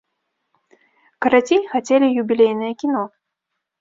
Карацей, хацелі юбілейнае кіно.